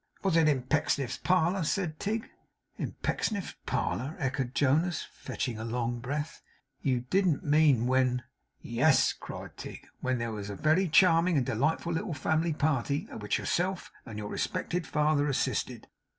'Was it in Pecksniff's parlour?' said Tigg 'In Pecksniff's parlour!' echoed Jonas, fetching a long breath. 'You don't mean when ' 'Yes,' cried Tigg, 'when there was a very charming and delightful little family party, at which yourself and your respected father assisted.